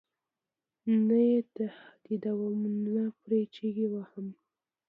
نه یې تهدیدوم نه پرې چغې وهم.